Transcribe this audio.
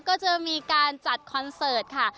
ก็จะมีการจัดคอนเสิร์ตค่ะ